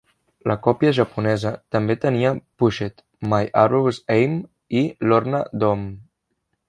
La còpia japonesa també tenia "Pushed", "My Arrow's Aim", i "Lorna Doom".